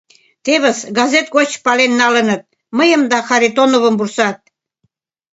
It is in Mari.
Тевыс, газет гоч пален налыныт, мыйым да Харитоновым вурсат...